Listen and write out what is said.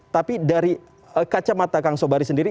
tapi dari kacamata kang sobari sendiri